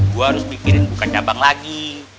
gue harus pikirin bukan cabang lagi